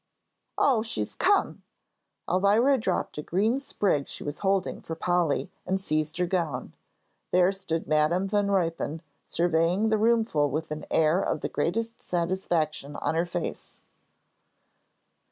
"Oh, she's come!" Elvira dropped a green sprig she was holding for Polly and seized her gown. There stood Madam Van Ruypen surveying the roomful with an air of the greatest satisfaction on her face.